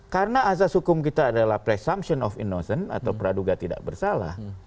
karena asas hukum kita adalah presumption of innocence atau praduga tidak bersalah